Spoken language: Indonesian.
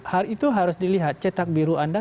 hal itu harus dilihat cetak biru anda